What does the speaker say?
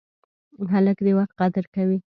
هلک د وخت قدر کوي.